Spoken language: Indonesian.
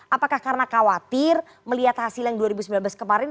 apakah karena khawatir melihat hasil yang dua ribu sembilan belas kemarin